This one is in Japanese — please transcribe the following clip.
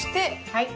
はい。